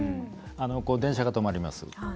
電車が止まります。